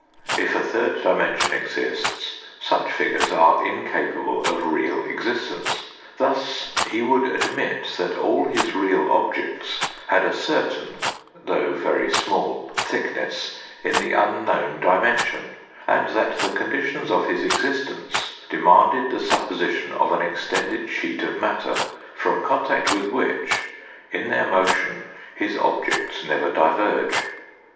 If a third dimension exists, such figures are incapable of real existence. Thus he would admit that all his real objects had a certain, though very small thickness in the unknown dimension, and that the conditions of his existence demanded the supposition of an extended sheet of matter, from contact with which in their motion his objects never diverge.